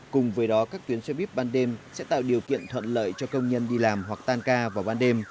cùng với đó các tuyến xe buýt ban đêm sẽ tạo điều kiện thuận lợi cho công nhân đi làm hoặc tan ca vào ban đêm